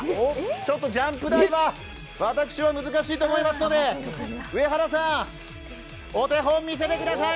ちょっとジャンプ台は私は難しいと思いますので上原さんお手本見せてください